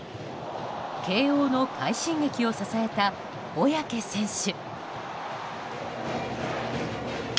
慶応の快進撃を支えた小宅選手。